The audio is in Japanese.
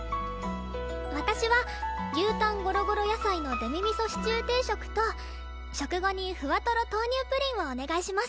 私は牛タンごろごろ野菜のデミ味噌シチュー定食と食後にふわとろ豆乳プリンをお願いします。